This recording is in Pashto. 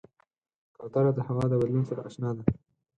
کوتره د هوا د بدلون سره اشنا ده.